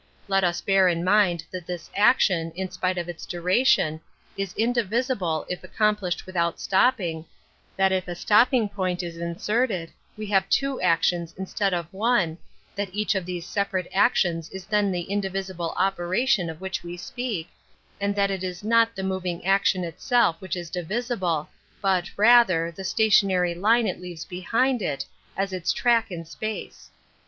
Let us bear in mind that this action, in spite of its duration, is indivisible if accomplished with out stopping, that if a stopping point is in serted, we have two actions instead of one, that each of these separate actions is then the indivisible operation of which we speak, and that it is not the moving action itself which is divisible, but, rather, the station ary line it leaves behind it as its track in space.